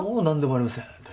何でもありません。